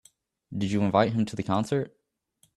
Did you invite him to the concert?